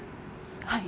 はい。